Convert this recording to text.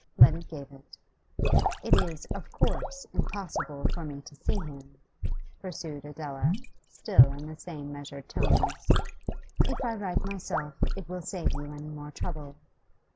Letty gave it. 'It is, of course, impossible for me to see him,' pursued Adela, still in the same measured tones. 'If I write myself it will save you any more trouble.